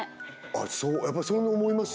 やっぱりそう思います？